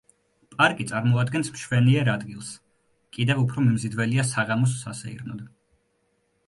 პარკი წარმოადგენს მშვენიერ ადგილს, კიდევ უფრო მიმზიდველია საღამოს სასეირნოდ.